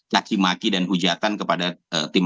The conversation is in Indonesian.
caci maki dan hujatan kepada tim